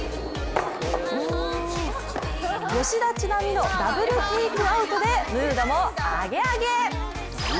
吉田知那美のダブルテイクアウトでムードもアゲアゲ。